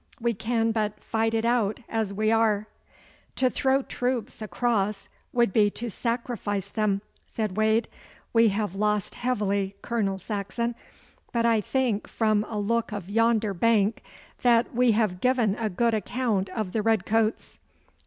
We can but fight it out as we are.' 'To throw troops across would be to sacrifice them,' said Wade. 'We have lost heavily, Colonel Saxon, but I think from the look of yonder bank that ye have given a good account of the red coats.